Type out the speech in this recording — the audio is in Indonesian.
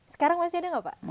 sekarang masih ada nggak pak